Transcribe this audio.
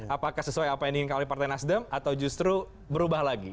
apakah sesuai apa yang diinginkan oleh partai nasdem atau justru berubah lagi